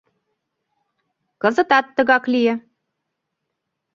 Кызытат тыгак лие.